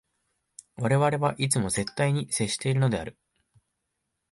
我々はいつも絶対に接しているのである。